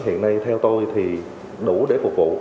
hiện nay theo tôi thì đủ để phục vụ